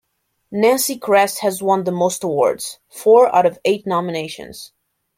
Nancy Kress has won the most awards: four out of eight nominations.